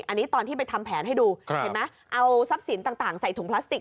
อันนี้ตอนที่ไปทำแผนให้ดูเห็นไหมเอาทรัพย์สินต่างใส่ถุงพลาสติก